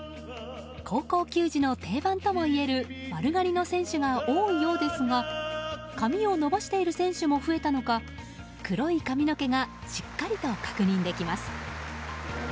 高校球児の定番ともいえる丸刈りの選手が多いようですが髪を伸ばしている選手も増えたのか、黒い髪の毛がしっかりと確認できます。